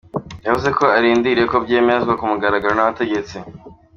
Yavuze ko akirindiriye ko byemezwa ku mugaragaro n'abategetsi.